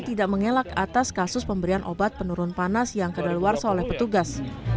tidak mengelak atas kasus pemberian obat penurun panas yang kedaluarsa oleh petugas